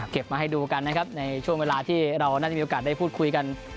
มาให้ดูกันนะครับในช่วงเวลาที่เราน่าจะมีโอกาสได้พูดคุยกัน